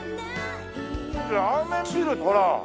ラーメンビルほら。